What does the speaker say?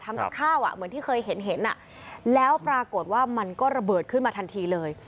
ทำกับข้าวอ่ะเหมือนที่เคยเห็นเห็นอ่ะแล้วปรากฏว่ามันก็ระเบิดขึ้นมาทันทีเลย